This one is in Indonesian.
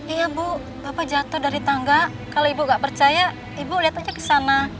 iya bu bapak jatuh dari tangga kalau ibu nggak percaya ibu lihat aja ke sana